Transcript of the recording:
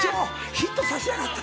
ヒットさせやがった。